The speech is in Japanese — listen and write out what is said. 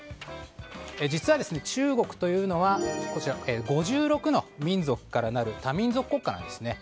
実は、中国というのは５６の民族からなる多民族国家なんですね。